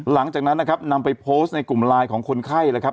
หลังจากนั้นนะครับนำไปโพสต์ในกลุ่มไลน์ของคนไข้แล้วครับ